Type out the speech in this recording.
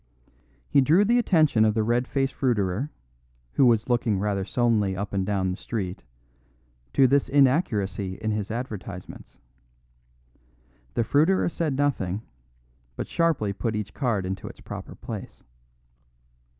He drew the attention of the red faced fruiterer, who was looking rather sullenly up and down the street, to this inaccuracy in his advertisements. The fruiterer said nothing, but sharply put each card into its proper place.